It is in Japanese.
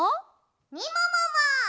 みももも！